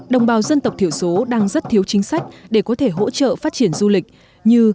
đồng bào dân tộc thiểu số đang rất thiếu chính sách để có thể hỗ trợ phát triển du lịch như